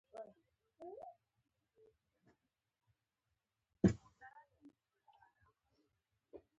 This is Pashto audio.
ټولنې ته یې هم ګټه رسېږي.